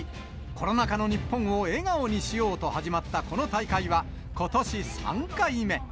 コロナ禍の日本を笑顔にしようと始まったこの大会は、ことし３回目。